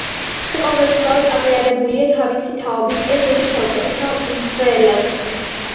საყოველთაოდ აღიარებულია თავისი თაობის ერთ-ერთ საუკეთესო მცველად.